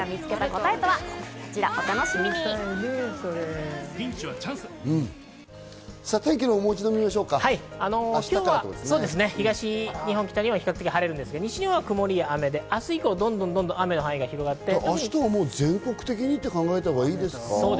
お天気ですが、今日は東日本、北日本は比較的晴れますが、西日本は曇りや雨で明日以降どんどんと雨の範囲が広がって、明日は全国的にと考えたほうがいいですか？